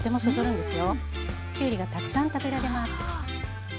きゅうりがたくさん食べられます。